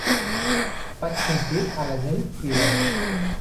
Vaig sentir a la gent cridar.